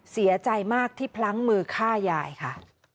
เสียใจมากที่พลั้งมือฆ่ายายค่ะ